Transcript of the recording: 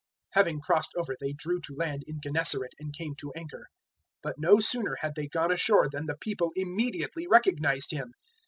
006:053 Having crossed over they drew to land in Gennesaret and came to anchor. 006:054 But no sooner had they gone ashore than the people immediately recognized Him.